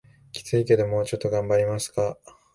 キツいけどもうちょっと頑張りますか